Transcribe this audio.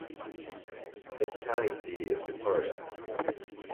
Its county seat is Victoria.